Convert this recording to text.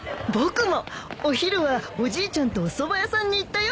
僕もお昼はおじいちゃんとおそば屋さんに行ったよ。